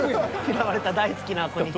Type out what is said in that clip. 嫌われた大好きな子に。